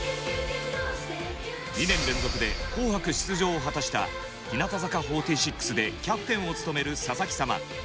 ２年連続で「紅白」出場を果たした日向坂４６でキャプテンを務める佐々木様。